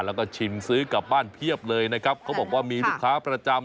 แล้วก็ชิมซื้อกลับบ้านเพียบเลยนะครับเขาบอกว่ามีลูกค้าประจำ